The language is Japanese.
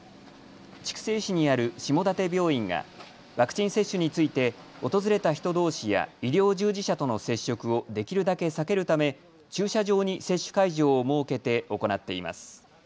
筑西市にある下館病院がワクチン接種について訪れた人どうしや医療従事者との接触をできるだけ避けるため駐車場に接種会場を設けて行っています。